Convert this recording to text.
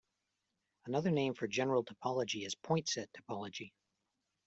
Another name for general topology is point-set topology.